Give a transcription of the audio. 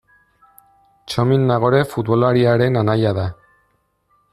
Txomin Nagore futbolariaren anaia da.